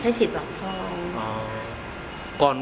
ใช้สิทธิผัพทอง